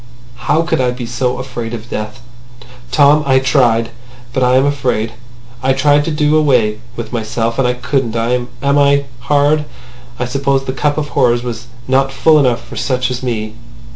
"How could I be so afraid of death! Tom, I tried. But I am afraid. I tried to do away with myself. And I couldn't. Am I hard? I suppose the cup of horrors was not full enough for such as me.